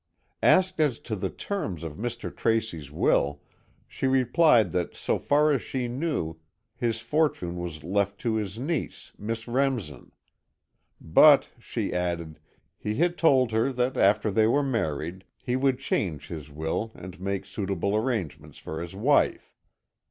Asked as to the terms of Mr. Tracy's will, she replied that so far as she knew his fortune was left to his niece, Miss Remsen. But, she added, he had told her that after they were married, he would change his will and make suitable arrangements for his wife.